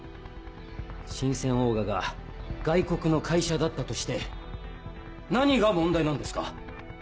神饌オーガが外国の会社だったとして何が問題なんですか？